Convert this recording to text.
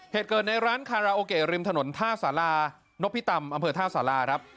เหตุเกิดในร้านคาราโอเกะริมถนนท่าสารานพิตำอำเภอท่าสาราครับ